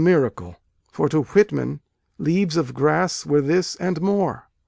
miracle : for to Whitman leaves of grass were this and more.